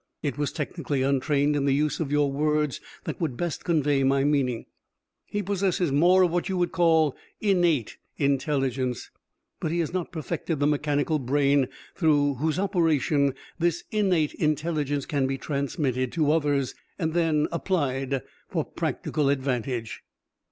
It was technically untrained in the use of your words that would best convey my meaning. He possesses more of what you would call 'innate intelligence,' but he has not perfected the mechanical brain through whose operation this innate intelligence can be transmitted to others and, applied for practical advantage.